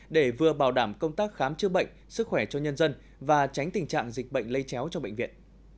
để vừa bảo đảm công tác khám chữa bệnh sức khỏe cho nhân dân và tránh tình trạng dịch bệnh lây chéo cho bệnh viện